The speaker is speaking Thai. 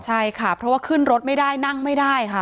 ใช่ค่ะเพราะว่าขึ้นรถไม่ได้นั่งไม่ได้ค่ะ